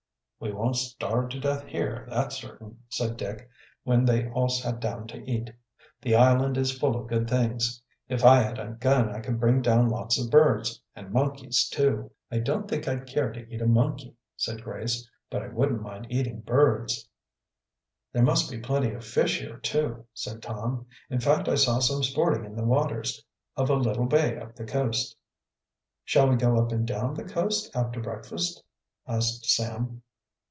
"We won't starve' to death here, that's certain," said Dick, when they all sat down to eat. "The island is full of good things. If I had a gun I could bring down lots of birds, and monkeys, too." "I don't think I'd care to eat a monkey," said Grace. "But I wouldn't mind eating birds." "There must be plenty of fish here, too," said Tom. "In fact I saw some sporting in the waters of a little bay up the coast." "Shall we go up and down the coast after breakfast?" asked Sam.